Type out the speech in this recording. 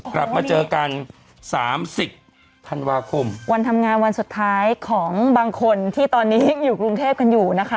กลับมาเจอกันสามสิบธันวาคมวันทำงานวันสุดท้ายของบางคนที่ตอนนี้อยู่กรุงเทพกันอยู่นะคะ